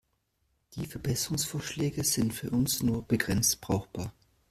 Die Verbesserungsvorschläge sind für uns nur begrenzt brauchbar.